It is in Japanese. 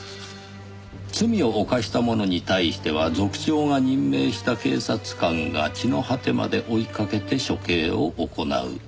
罪を犯した者に対しては族長が任命した警察官が地の果てまで追いかけて処刑を行う。